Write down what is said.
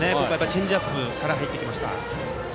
チェンジアップから入ってきました。